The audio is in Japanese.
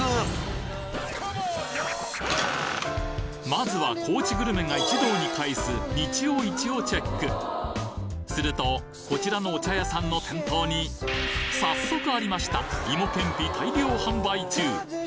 まずは高知グルメが一堂に会す日曜市をチェックするとこちらのお茶屋さんの店頭に早速ありました芋けんぴ大量販売中